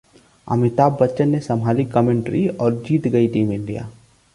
अमिताभ बच्चन ने संभाली कमेंट्री और जीत गई टीम इंडिया!